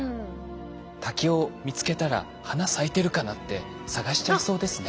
竹を見つけたら花咲いてるかなって探しちゃいそうですね。